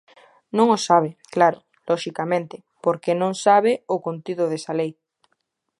Non o sabe, claro, loxicamente, porque non sabe o contido desa lei.